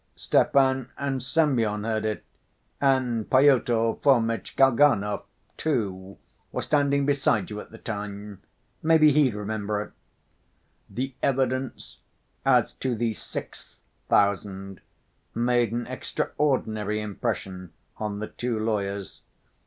Stepan and Semyon heard it, and Pyotr Fomitch Kalganov, too, was standing beside you at the time. Maybe he'd remember it...." The evidence as to the "sixth" thousand made an extraordinary impression on the two lawyers.